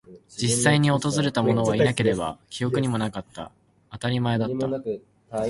実際に訪れたものはいなければ、記憶にもなかった。当たり前だった。